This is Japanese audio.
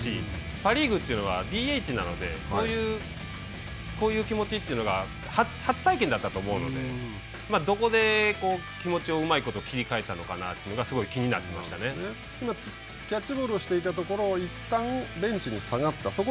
パ・リーグというのはＤＨなのでこういう気持ちというのが初体験だったと思うのでどこで気持ちをうまいこと切り替えたのかなというのがキャッチボールをしていたところいったんベンチに下がった。